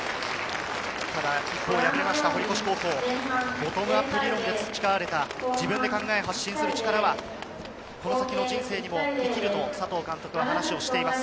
敗れた堀越高校、ボトムアップ理論で培われた、自分で考え、発信する力は、この先の人生にも生きてくると佐藤監督は話しています。